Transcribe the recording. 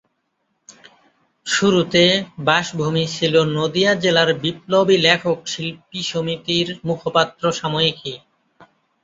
শুরুতে 'বাসভূমি' ছিল "নদীয়া জেলার বিপ্লবী লেখক শিল্পী সমিতি"-র মুখপাত্র সাময়িকী।